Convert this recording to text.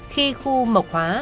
khi khu mộc hóa